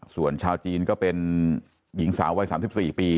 ส่วนชาวจีนก็เป็นหญิงสาววัย๓๔ปี